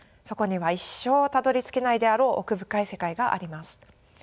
そこには一生たどりつけないであろう奥深い世界があります。